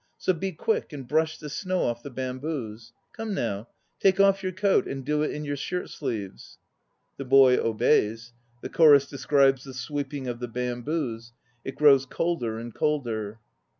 So be quick and brush the snow off the bamboos. Come now, take off your coat and do it in your shirt sleeves. (The bay obeys. The CHORUS describes the "sweeping of the bamboos" It grows colder and colder.)